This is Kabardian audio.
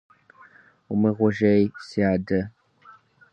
- Умыгужьей, си адэ.